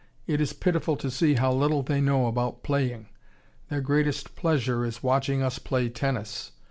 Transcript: It is pitiful to see how little they know about playing. Their greatest pleasure is watching us play tennis.